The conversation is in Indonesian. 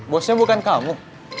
bosnya bukan kamu